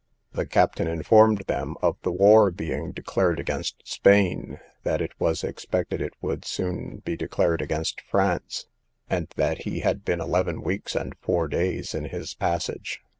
The captain informed them of the war being declared against Spain, that it was expected it would soon be declared against France; and that he had been eleven weeks and four days in his passage.